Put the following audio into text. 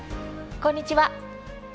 こんにちは。